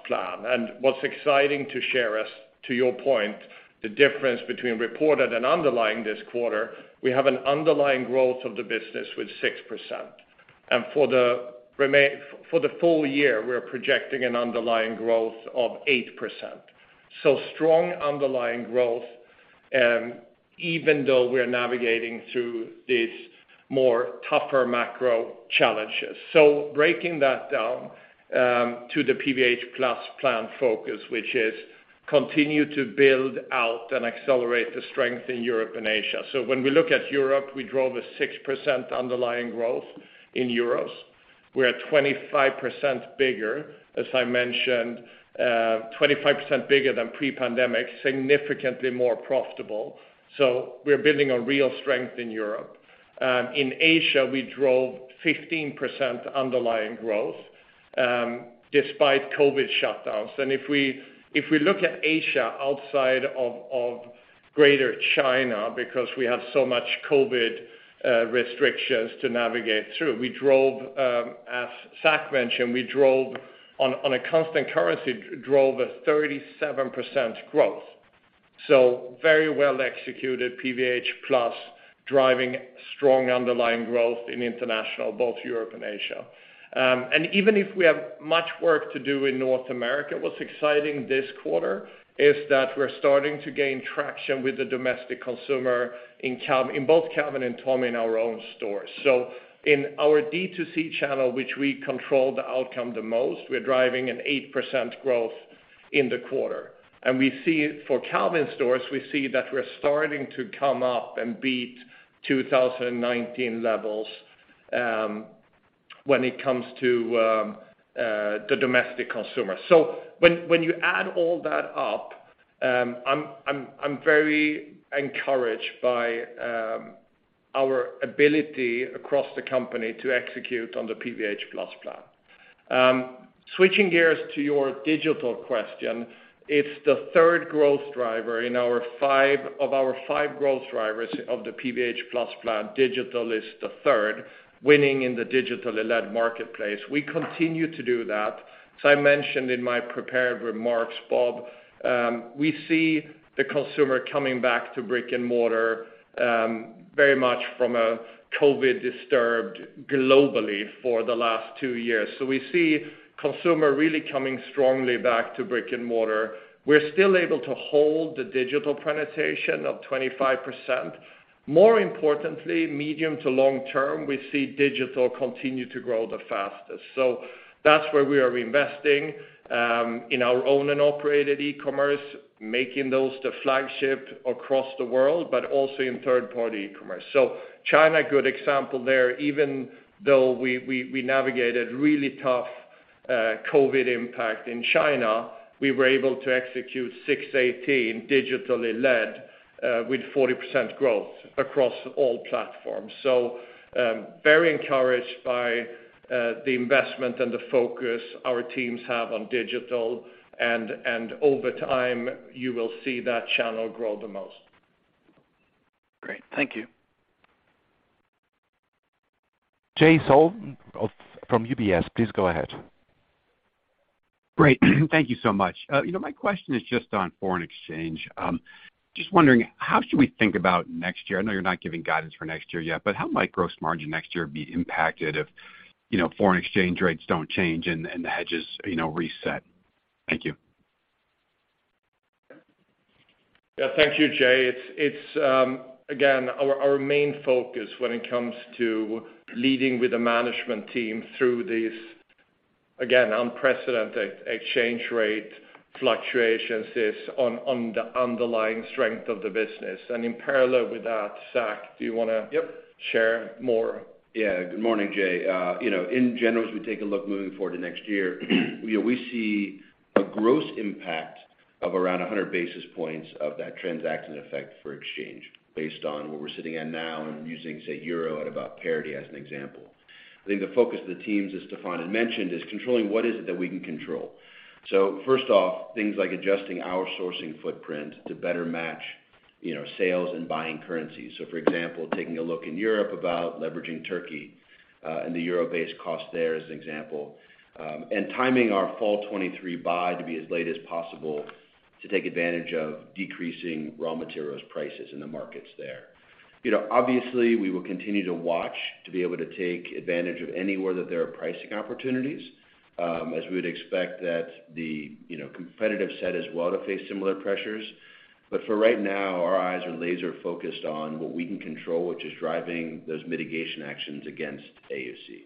Plan. What's exciting to share is, to your point, the difference between reported and underlying this quarter, we have an underlying growth of the business with 6%. For the full year, we are projecting an underlying growth of 8%. Strong underlying growth, even though we are navigating through these more tougher macro challenges. Breaking that down to the PVH+ Plan focus, which is continue to build out and accelerate the strength in Europe and Asia. When we look at Europe, we drove a 6% underlying growth in euros. We are 25% bigger, as I mentioned, 25% bigger than pre-pandemic, significantly more profitable. We're building a real strength in Europe. In Asia, we drove 15% underlying growth, despite COVID shutdowns. If we look at Asia outside of Greater China, because we have so much COVID restrictions to navigate through, as Zac mentioned, we drove on a constant currency a 37% growth. Very well executed PVH+, driving strong underlying growth in international, both Europe and Asia. Even if we have much work to do in North America, what's exciting this quarter is that we're starting to gain traction with the domestic consumer in both Calvin and Tommy in our own stores. In our D2C channel, which we control the outcome the most, we're driving an 8% growth in the quarter. We see for Calvin stores that we're starting to come up and beat 2019 levels, when it comes to the domestic consumer. When you add all that up, I'm very encouraged by our ability across the company to execute on the PVH+ Plan. Switching gears to your digital question, it's the 3rd growth driver in our five of our five growth drivers of the PVH+ Plan, digital is the 3rd, winning in the digitally led marketplace. We continue to do that. As I mentioned in my prepared remarks, Bob, we see the consumer coming back to brick-and-mortar very much from a COVID disturbed globally for the last two years. We see consumer really coming strongly back to brick-and-mortar. We're still able to hold the digital penetration of 25%. More importantly, medium to long term, we see digital continue to grow the fastest. That's where we are investing in our owned and operated e-commerce, making those the flagship across the world, but also in 3rd-party commerce. China, good example there. Even though we navigated really tough COVID impact in China, we were able to execute 618 digitally led with 40% growth across all platforms. Very encouraged by the investment and the focus our teams have on digital. Over time, you will see that channel grow the most. Great. Thank you. Jay Sole from UBS, please go ahead. Great. Thank you so much. You know, my question is just on foreign exchange. Just wondering, how should we think about next year? I know you're not giving guidance for next year yet, but how might gross margin next year be impacted if, you know, foreign exchange rates don't change and the hedges, you know, reset? Thank you. Yeah, thank you, Jay. It's again our main focus when it comes to leading with the management team through these again unprecedented exchange rate fluctuations is on the underlying strength of the business. In parallel with that, Zac, do you wanna- Yep. Share more? Yeah. Good morning, Jay. You know, in general, as we take a look moving forward to next year, you know, we see a gross impact of around 100 basis points of that transaction effect for exchange based on where we're sitting at now and using, say, euro at about parity as an example. I think the focus of the teams, as Stefan had mentioned, is controlling what we can control. First off, things like adjusting our sourcing footprint to better match, you know, sales and buying currency. For example, taking a look in Europe about leveraging Turkey and the euro-based cost there as an example, and timing our fall 2023 buy to be as late as possible to take advantage of decreasing raw materials prices in the markets there. You know, obviously, we will continue to watch to be able to take advantage of anywhere that there are pricing opportunities, as we would expect that the, you know, competitive set as well to face similar pressures. For right now, our eyes are laser-focused on what we can control, which is driving those mitigation actions against AUC.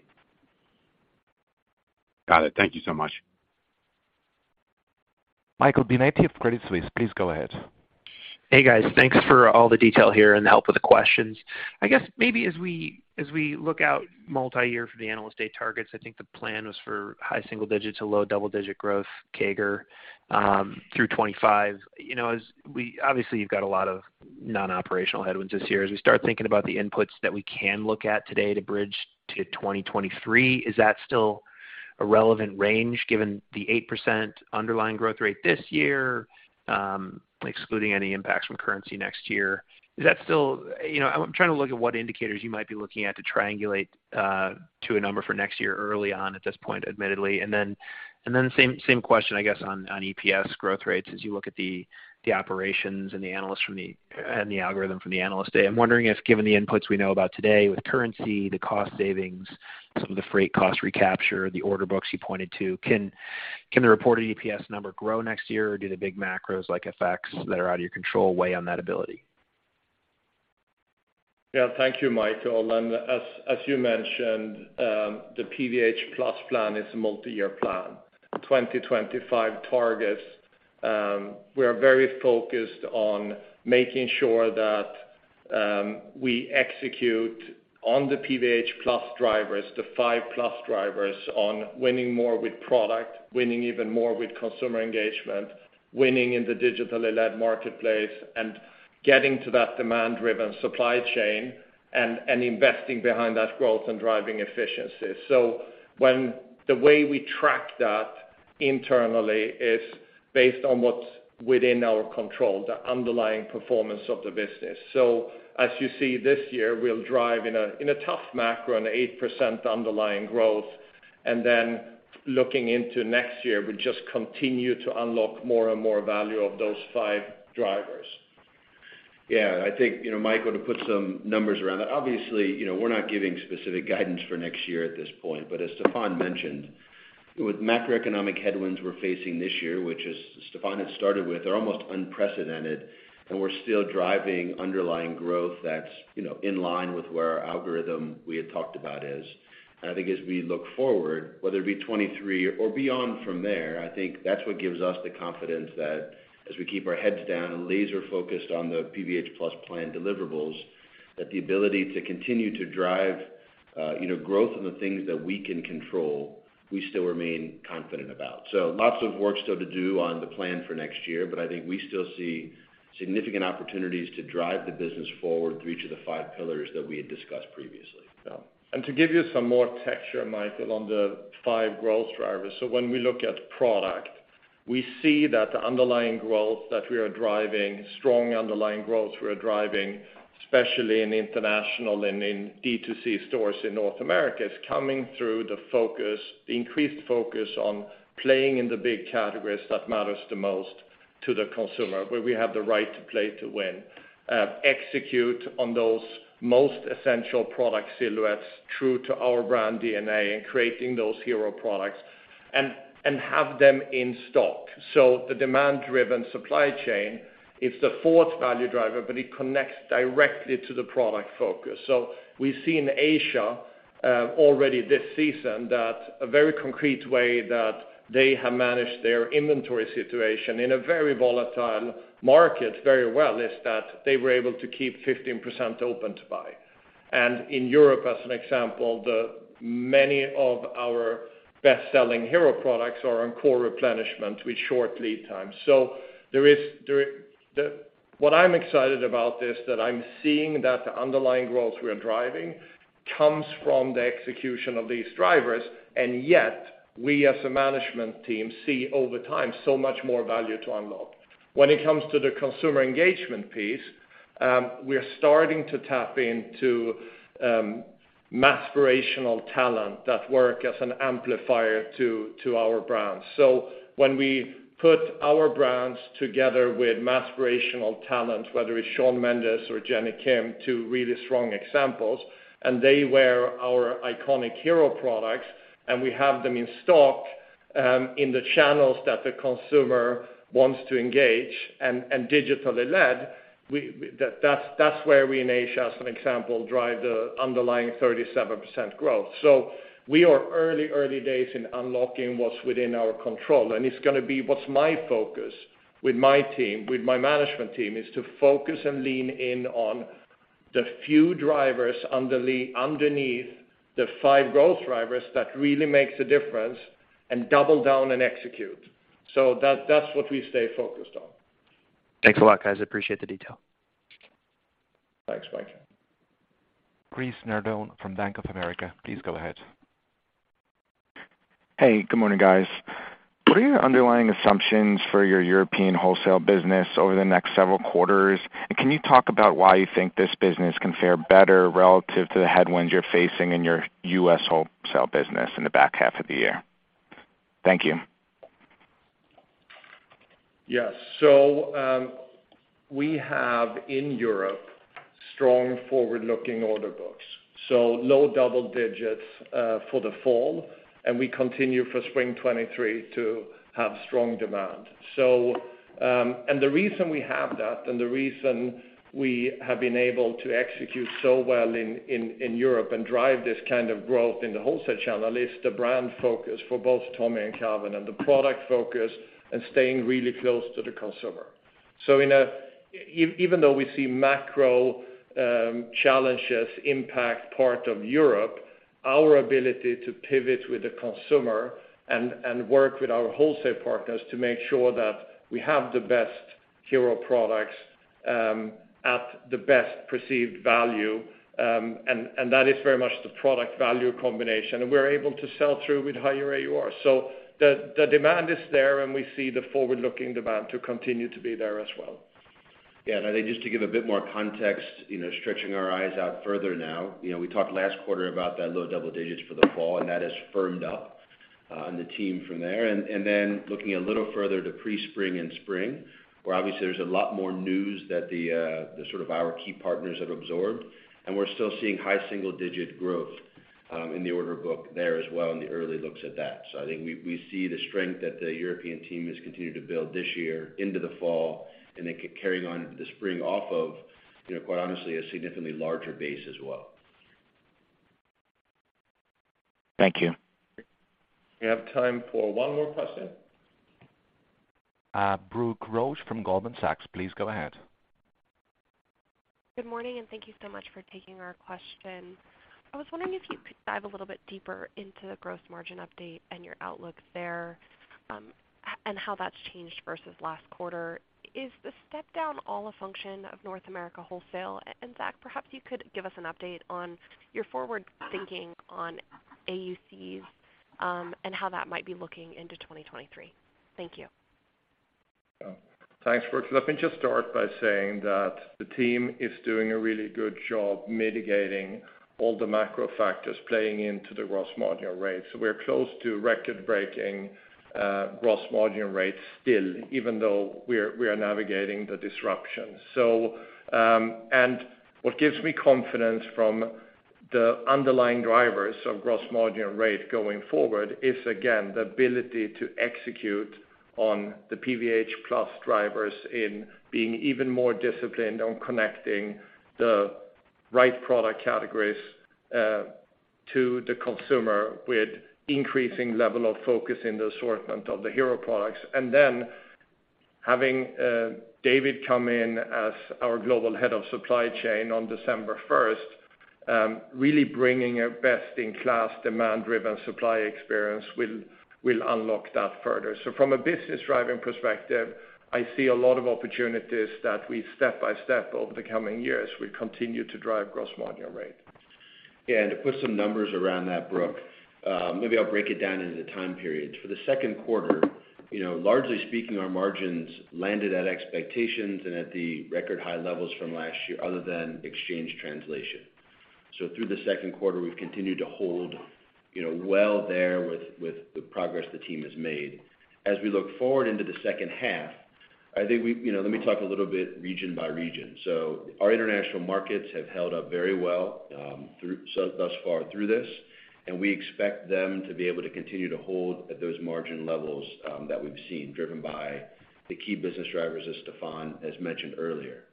Got it. Thank you so much. Michael Binetti of Credit Suisse, please go ahead. Hey, guys. Thanks for all the detail here and the help with the questions. I guess maybe as we look out multi-year for the Analyst Day targets, I think the plan was for high single digit to low double-digit growth CAGR through 2025. You know, as we obviously, you've got a lot of non-operational headwinds this year. As we start thinking about the inputs that we can look at today to bridge to 2023, is that still a relevant range given the 8% underlying growth rate this year, excluding any impacts from currency next year? Is that still. You know, I'm trying to look at what indicators you might be looking at to triangulate to a number for next year early on at this point, admittedly. Same question, I guess, on EPS growth rates. As you look at the operations and the analytics from the Analyst Day, and the algorithm from the Analyst Day, I'm wondering if, given the inputs we know about today with currency, the cost savings. Some of the freight cost recapture, the order books you pointed to. Can the reported EPS number grow next year, or do the big macro effects that are out of your control weigh on that ability? Yeah. Thank you, Michael. As you mentioned, the PVH+ Plan is a multi-year plan. The 2025 targets, we are very focused on making sure that we execute on the PVH+ drivers, the 5+ drivers on winning more with product, winning even more with consumer engagement, winning in the digitally-led marketplace, and getting to that demand-driven supply chain and investing behind that growth and driving efficiency. The way we track that internally is based on what's within our control, the underlying performance of the business. As you see this year, we'll drive in a tough macro, an 8% underlying growth. Then looking into next year, we just continue to unlock more and more value of those five drivers. Yeah. I think, you know, Michael, to put some numbers around that, obviously, you know, we're not giving specific guidance for next year at this point, but as Stefan mentioned, with macroeconomic headwinds we're facing this year, which Stefan had started with, are almost unprecedented, and we're still driving underlying growth that's, you know, in line with where our algorithm we had talked about is. I think as we look forward, whether it be 2023 or beyond from there, I think that's what gives us the confidence that as we keep our heads down and laser focused on the PVH+ Plan deliverables, that the ability to continue to drive, you know, growth in the things that we can control, we still remain confident about. Lots of work still to do on the plan for next year, but I think we still see significant opportunities to drive the business forward through each of the five pillars that we had discussed previously. Yeah. To give you some more texture, Michael, on the five growth drivers. When we look at product, we see that the underlying growth that we are driving, strong underlying growth we are driving, especially in international and in D2C stores in North America, is coming through the focus, the increased focus on playing in the big categories that matters the most to the consumer, where we have the right to play to win. Execute on those most essential product silhouettes true to our brand DNA and creating those hero products and have them in stock. The demand-driven supply chain, it's the 4th value driver, but it connects directly to the product focus. We see in Asia already this season that a very concrete way that they have managed their inventory situation in a very volatile market very well is that they were able to keep 15% open to buy. In Europe, as an example, many of our best-selling hero products are on core replenishment with short lead times. What I'm excited about is that I'm seeing that the underlying growth we are driving comes from the execution of these drivers, and yet we, as a management team, see over time so much more value to unlock. When it comes to the consumer engagement piece, we are starting to tap into masspirational talent that work as an amplifier to our brands. When we put our brands together with masspirational talent, whether it's Shawn Mendes or Jennie Kim, two really strong examples, and they wear our iconic hero products, and we have them in stock in the channels that the consumer wants to engage and digitally led, that's where we in Asia, as an example, drive the underlying 37% growth. We are early days in unlocking what's within our control, and it's gonna be what's my focus with my team, with my management team, is to focus and lean in on the few drivers underneath the five growth drivers that really makes a difference and double down and execute. That's what we stay focused on. Thanks a lot, guys. Appreciate the detail. Thanks, Michael. Chris Nardone from Bank of America, please go ahead. Hey, good morning, guys. What are your underlying assumptions for your European wholesale business over the next several quarters? Can you talk about why you think this business can fare better relative to the headwinds you're facing in your U.S. wholesale business in the back half of the year? Thank you. Yes. We have in Europe strong forward-looking order books, low double digits for the fall, and we continue for spring 2023 to have strong demand. The reason we have that and the reason we have been able to execute so well in Europe and drive this kind of growth in the wholesale channel is the brand focus for both Tommy and Calvin and the product focus and staying really close to the consumer. Even though we see macro challenges impact part of Europe, our ability to pivot with the consumer and work with our wholesale partners to make sure that we have the best hero products at the best perceived value and that is very much the product value combination. We're able to sell through with higher AUR. The demand is there, and we see the forward-looking demand to continue to be there as well. Yeah. I think just to give a bit more context, you know, stretching our eyes out further now. You know, we talked last quarter about that low double digits for the fall, and that has firmed up on the team from there. Then looking a little further to pre-spring and spring, where obviously there's a lot more news that the sort of our key partners have absorbed, and we're still seeing high single-digit growth in the order book there as well in the early looks at that. I think we see the strength that the European team has continued to build this year into the fall, and they keep carrying on into the spring off of, you know, quite honestly, a significantly larger base as well. Thank you. We have time for one more question. Brooke Roach from Goldman Sachs, please go ahead. Good morning, and thank you so much for taking our question. I was wondering if you could dive a little bit deeper into the gross margin update and your outlook there, and how that's changed versus last quarter. Is the step down all a function of North America wholesale? Zac, perhaps you could give us an update on your forward thinking on AUCs, and how that might be looking into 2023. Thank you. Thanks, Brooke. Let me just start by saying that the team is doing a really good job mitigating all the macro factors playing into the gross margin rates. We're close to record-breaking gross margin rates still, even though we are navigating the disruption. What gives me confidence from the underlying drivers of gross margin rate going forward is, again, the ability to execute on the PVH Plus drivers in being even more disciplined on connecting the right product categories to the consumer with increasing level of focus in the assortment of the hero products. Having David come in as our Global Head of Supply Chain on December 1st really bringing a best-in-class, demand-driven supply experience will unlock that further. From a business driving perspective, I see a lot of opportunities that we step by step over the coming years, we continue to drive gross margin rate. Yeah. To put some numbers around that, Brooke, maybe I'll break it down into time periods. For the 2nd quarter, you know, largely speaking, our margins landed at expectations and at the record high levels from last year other than exchange translation. Through the 2nd quarter, we've continued to hold, you know, well there with the progress the team has made. As we look forward into the 2nd half, I think we you know, let me talk a little bit region by region. Our international markets have held up very well, thus far through this, and we expect them to be able to continue to hold at those margin levels, that we've seen, driven by the key business drivers as Stefan has mentioned earlier.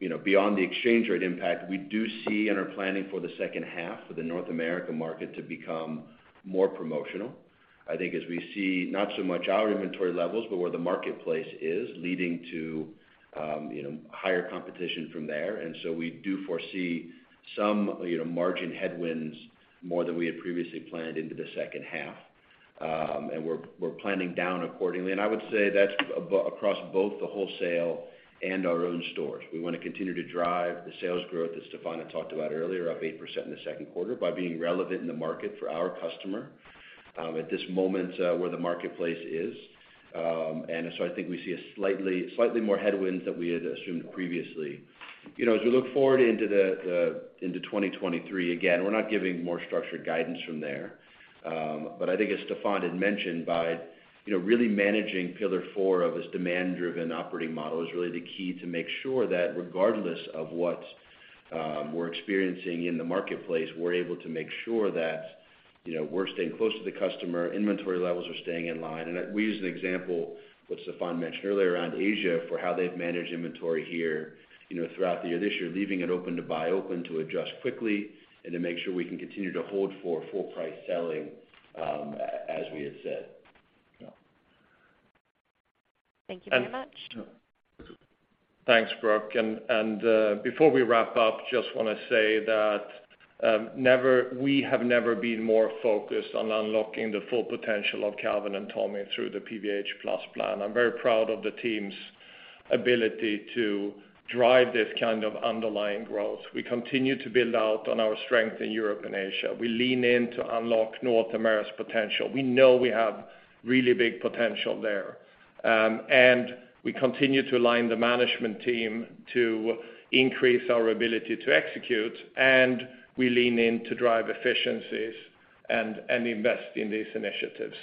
You know, beyond the exchange rate impact, we do see and are planning for the 2nd half for the North America market to become more promotional. I think as we see not so much our inventory levels, but where the marketplace is leading to, you know, higher competition from there. We do foresee some, you know, margin headwinds more than we had previously planned into the 2nd half. We're planning down accordingly. I would say that's across both the wholesale and our own stores. We wanna continue to drive the sales growth that Stefan had talked about earlier, up 8% in the 2nd quarter, by being relevant in the market for our customer, at this moment, where the marketplace is. I think we see a slightly more headwinds than we had assumed previously. You know, as we look forward into 2023, again, we're not giving more structured guidance from there. But I think as Stefan had mentioned, by you know, really managing pillar four of this demand-driven operating model is really the key to make sure that regardless of what we're experiencing in the marketplace, we're able to make sure that you know, we're staying close to the customer, inventory levels are staying in line. We use an example, what Stefan mentioned earlier, around Asia for how they've managed inventory here, you know, throughout the year. This year, leaving it open to buy, open to adjust quickly and to make sure we can continue to hold for full price selling, as we had said. Thank you very much. Thanks, Brooke. Before we wrap up, just wanna say that we have never been more focused on unlocking the full potential of Calvin and Tommy through the PVH+ Plan. I'm very proud of the team's ability to drive this kind of underlying growth. We continue to build out on our strength in Europe and Asia. We lean in to unlock North America's potential. We know we have really big potential there. We continue to align the management team to increase our ability to execute, and we lean in to drive efficiencies and invest in these initiatives.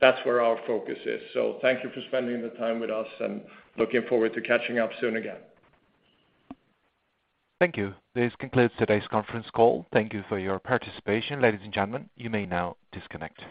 That's where our focus is. Thank you for spending the time with us, and looking forward to catching up soon again. Thank you. This concludes today's conference call. Thank you for your participation. Ladies and gentlemen, you may now disconnect.